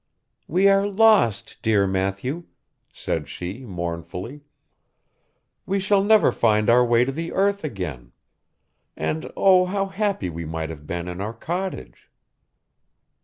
'We are lost, dear Matthew,' said she, mournfully. 'We shall never find our way to the earth again. And oh how happy we might have been in our cottage!